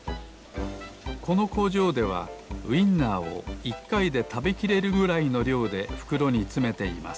このこうじょうではウインナーを１かいでたべきれるぐらいのりょうでふくろにつめています